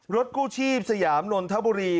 กู้ชีพสยามนนทบุรี